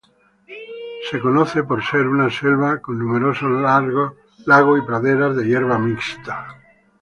Es conocida por ser una selva con numerosos lagos y praderas de hierba mixta.